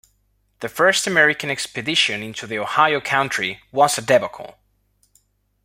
The first American expedition into the Ohio Country was a debacle.